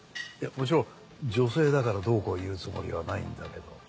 もちろん女性だからどうこう言うつもりはないんだけど。